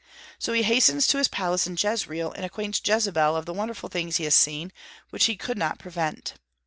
So he hastens to his palace in Jezreel and acquaints Jezebel of the wonderful things he had seen, and which he could not prevent.